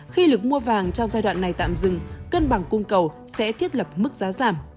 khi lực mua vàng trong giai đoạn này tạm dừng cân bằng cung cầu sẽ thiết lập mức giá giảm